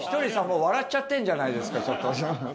もう笑っちゃってんじゃないですか。